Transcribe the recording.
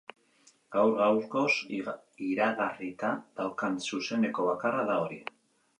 Gaur-gaurkoz iragarrita daukan zuzeneko bakarra da hori.